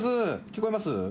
聞こえます？